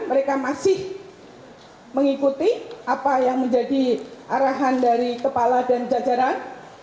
mereka masih mengikuti apa yang menjadi arahan dari kepala dan jajaran